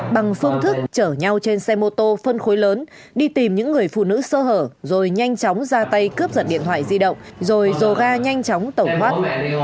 bằng phương thức chở nhau trên xe mô tô phân khối lớn đi tìm những người phụ nữ sơ hở rồi nhanh chóng ra tay cướp giật điện thoại di động rồi dồ ga nhanh chóng tẩu thoát